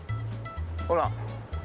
ほら。